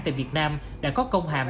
tại việt nam đã có công hàm